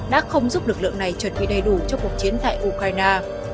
đã không giúp lực lượng này chuẩn bị đầy đủ cho cuộc chiến tại ukraine